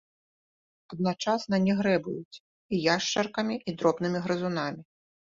Адначасна не грэбуюць і яшчаркамі і дробнымі грызунамі.